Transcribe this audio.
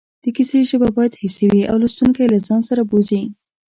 د کیسې ژبه باید حسي وي او لوستونکی له ځان سره بوځي